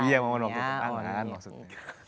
iya momen waktu tunangan maksudnya